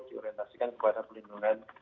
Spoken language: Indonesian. diorientasikan kepada pelindungan